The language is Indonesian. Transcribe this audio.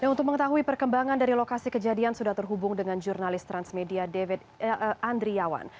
untuk mengetahui perkembangan dari lokasi kejadian sudah terhubung dengan jurnalis transmedia david andriawan